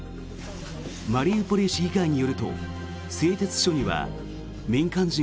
マリウポリ市議会によると製鉄所には民間人